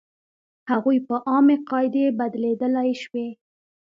هغوی په عامې قاعدې بدلېدلی شوې.